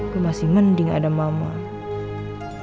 gue masih mending ada mama